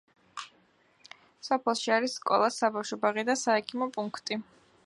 სოფელში არის სკოლა, საბავშვო ბაღი და საექიმო პუნქტი.